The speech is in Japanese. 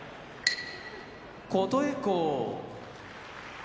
琴恵光